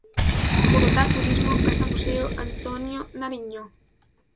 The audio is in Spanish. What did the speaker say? Bogotá Turismo Casa Museo Antonio Nariño